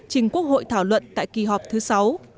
trình quốc hội thảo luận tại kỳ họp thứ sáu